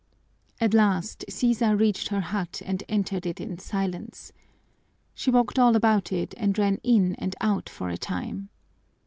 At last Sisa reached her hut and entered it in silence, She walked all about it and ran in and out for a time.